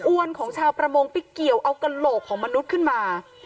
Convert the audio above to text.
ของชาวประมงไปเกี่ยวเอากระโหลกของมนุษย์ขึ้นมา